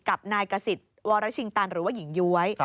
กับนายกษิตวรชิงตันหรือว่าหญิงย้วย